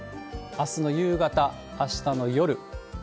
あすの夕方、あしたの夜。